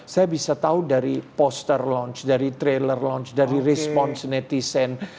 saya bisa tahu dari poster launch dari trailer launch dari respons netizen